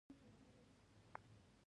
سنیان هم هلته اوسیږي.